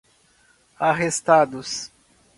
arrestados